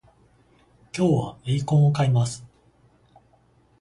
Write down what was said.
今日はエイコンを買います